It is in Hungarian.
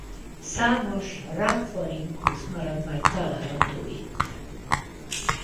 Számos Rhamphorhynchus-maradvány található itt.